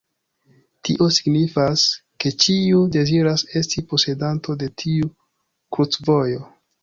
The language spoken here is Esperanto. Tio signifas, ke ĉiu deziras esti posedanto de tiu krucvojo.